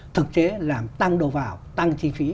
thực chế làm tăng đồ vào tăng chi phí